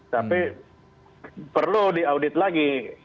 tapi perlu diaudit lagi